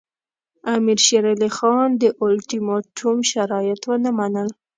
امیر شېر علي خان د اولټیماټوم شرایط ونه منل.